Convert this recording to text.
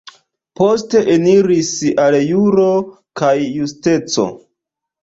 Poste eniris al Juro kaj Justeco.